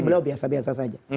beliau biasa biasa saja